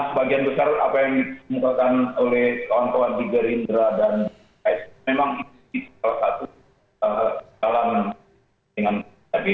sebagian besar apa yang dimukakan